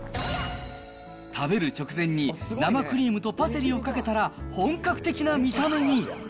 食べる直前に生クリームとパセリをかけたら、本格的な見た目に。